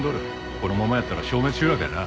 このままやったら消滅集落やな。